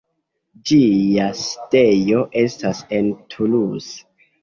Ĝia sidejo estas en Toulouse.